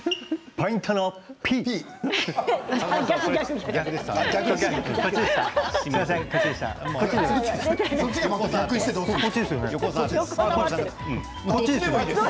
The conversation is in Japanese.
ポイントのＰです。